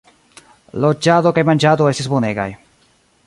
Loĝado kaj manĝado estis bonegaj.